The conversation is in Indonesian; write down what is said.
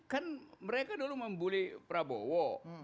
kan mereka dulu membuli prabowo